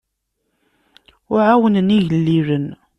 Ur ɛawnen igellilen.